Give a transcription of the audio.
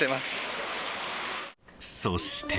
そして。